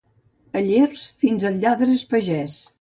A Llers fins és lladre el pagès.